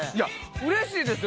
うれしいですよね。